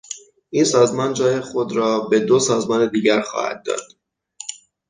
این سازمان جای خود را به دو سازمان دیگر خواهد داد.